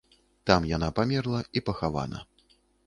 Там яна памерла і пахавана.